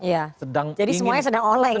ya jadi semuanya sedang oleng ya